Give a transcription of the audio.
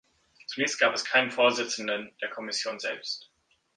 Zunächst gab es keinen Vorsitzenden der Kommission selbst.